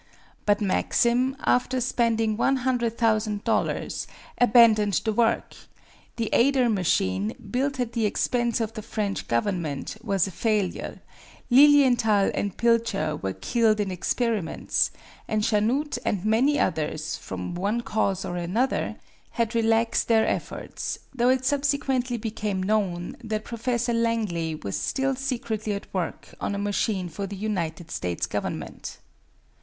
But Maxim, after spending $100,000, abandoned the work; the Ader machine, built at the expense of the French Government, was a failure; Lilienthal and Pilcher were killed in experiments; and Chanute and many others, from one cause or another, had relaxed their efforts, though it subsequently became known that Professor Langley was still secretly at work on a machine for the United States Government.